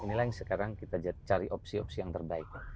inilah yang sekarang kita cari opsi opsi yang terbaik